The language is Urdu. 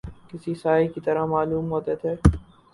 کسی سائے کی طرح معلوم ہوتے تھے